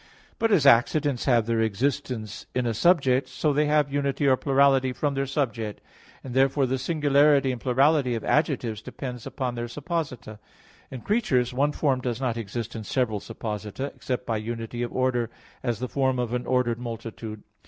But as accidents have their existence in a subject, so they have unity or plurality from their subject; and therefore the singularity and plurality of adjectives depends upon their supposita. In creatures, one form does not exist in several supposita except by unity of order, as the form of an ordered multitude.